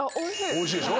おいしいでしょ？